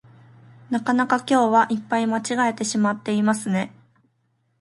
なかなか今日はいっぱい間違えてしまっていますね